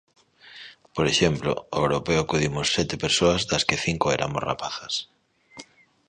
Por exemplo, ao Europeo acudimos sete persoas das que cinco eramos rapazas.